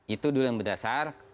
itu dulu yang mendasar